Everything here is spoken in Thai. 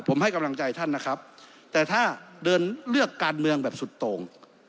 ผมให้กำลังใจท่านนะครับแต่ถ้าเดินเลือกการเมืองแบบสุดโต่ง